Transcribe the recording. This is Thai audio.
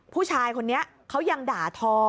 ผู้ชายคนนี้เขายังด่าทอ